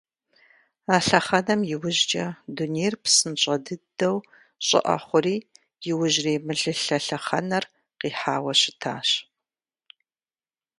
А лъэхъэнэм иужькӀэ дунейр псынщӀэ дыдэу щӀыӀэ хъури, иужьрей мылылъэ лъэхъэнэр къихьауэ щытащ.